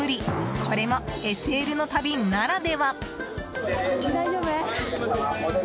これもＳＬの旅ならでは。